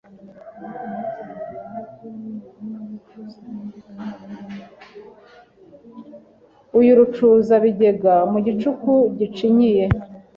Uyu Rucuzabigega mu gicuku gicinyiye